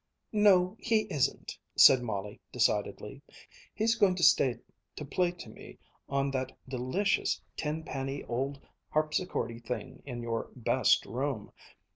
"No, he isn't," said Molly decidedly. "He's going to stay to play to me on that delicious tin panny old harpsichordy thing in your 'best room.'